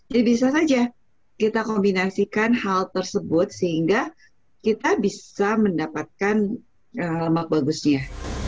jadi bisa saja kita kombinasikan hal tersebut sehingga kita bisa mendapatkan lemak bagusnya